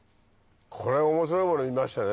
これ面白いもの見ましたね。